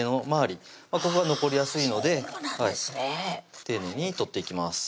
ここが残りやすいので丁寧に取っていきます